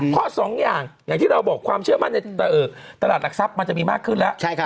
เพราะสองอย่างอย่างที่เราบอกความเชื่อมั่นในตลาดหลักทรัพย์มันจะมีมากขึ้นแล้ว